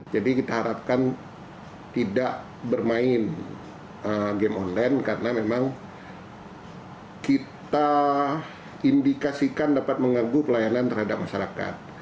jadi kita harapkan tidak bermain game online karena memang kita indikasikan dapat mengaguh pelayanan terhadap masyarakat